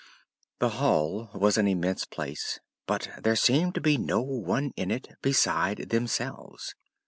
The hall was an immense place, but there seemed to be no one in it beside themselves.